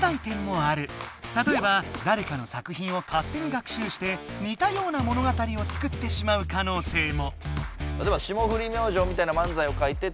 たとえばだれかの作ひんをかってに学習してにたような物語を作ってしまうかのうせいも。